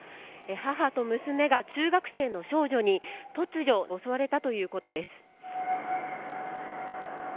母と娘が中学生の少女に突如、襲われたということです。